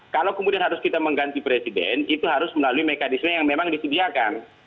kalau kemudian harus kita mengganti presiden itu harus melalui mekanisme yang memang disediakan